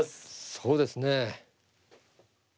そうですね。